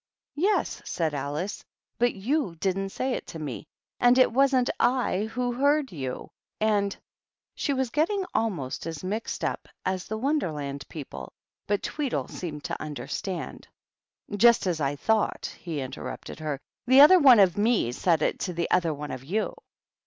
"Yes," said Alice, "but you didn't say it to mej and it wasn't / who heard you, and " She was getting almost as mixed up as the Won derland people, but Tweedle seemed to under stand. " Just as I thought," he interrupted her. " The other one of me said it to the other one of you.